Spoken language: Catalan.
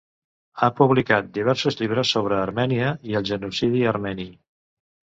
Ha publicat diversos llibres sobre Armènia i el genocidi armeni.